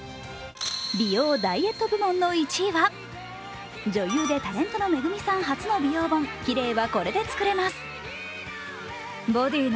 美容・ダイエット部門の１位は女優でタレントのＭＥＧＵＭＩさん初の美容本「キレイはこれでつくれます」